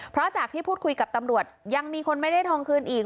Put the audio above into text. เพราะจากที่พูดคุยกับตำรวจยังมีคนไม่ได้ทองคืนอีก